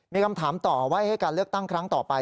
มีคำถามต่อว่าการเลือกตั้งครั้งต่อไป